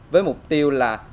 với mục tiêu là